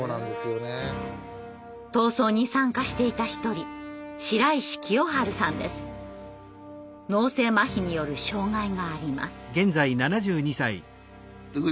闘争に参加していた一人脳性まひによる障害があります。